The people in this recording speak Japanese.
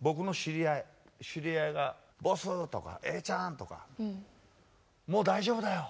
僕の知り合いが「ボス！」とか「永ちゃん！」とか「もう大丈夫だよ。